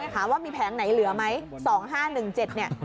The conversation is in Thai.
ถามว่ามีแผงไหนเหลือไหม๒๕๑๗เนี่ย